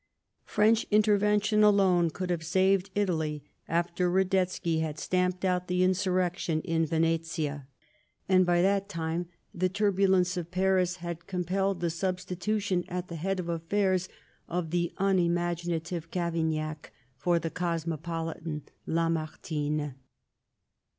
French intervention alone could have saved Italy after YJBIAE8 OF REVOLUTION. 128 Badetzky had stamped out the insarrection in Yenetia, and by that time the turbulence of Paris had compelled the substitution at the head of affairs of the unimagina tive Cavaignac for the cosmopolitan Lamartine.